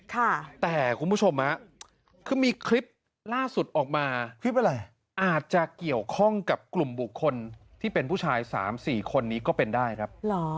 แต่คุณผู้ชมฮะคือมีคลิปล่าสุดออกมาคลิปอะไรอาจจะเกี่ยวข้องกับกลุ่มบุคคลที่เป็นผู้ชายสามสี่คนนี้ก็เป็นได้ครับ